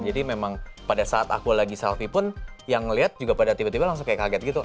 jadi memang pada saat aku lagi selfie pun yang ngelihat juga pada tiba tiba langsung kayak kaget gitu